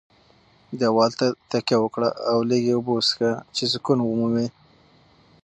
دېوال ته تکیه وکړه او لږې اوبه وڅښه چې سکون ومومې.